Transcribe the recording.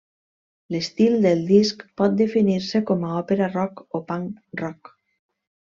L'estil del disc pot definir-se com a òpera rock o punk rock.